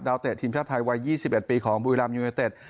ดาวเตะทีมชาติไทยวัย๒๑ปีของบุรีรัมย์ยูนเกอร์เต็ต